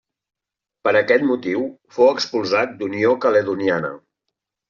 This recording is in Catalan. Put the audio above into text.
Per aquest motiu fou expulsat d'Unió Caledoniana.